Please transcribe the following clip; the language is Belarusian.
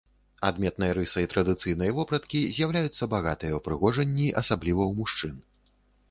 Адметнай рысай традыцыйнай вопраткі з'яўляюцца багатыя ўпрыгожанні, асабліва ў мужчын.